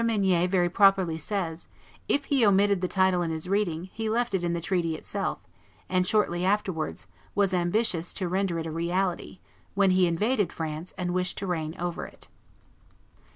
Mignet very properly says, "if he omitted the title in his reading, he left it in the treaty itself, and, shortly afterwards, was ambitious to render it a reality, when he invaded France and wished to reign over it."